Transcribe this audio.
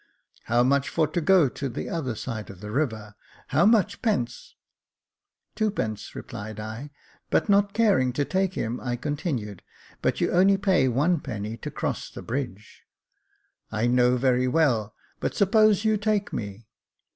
How much for to go to the other side of the river — how much pence ?"" Two pence," replied I ; but not caring to take him, I continued, " but you only pay one penny to cross the bridge." " I know very well, but suppose you take me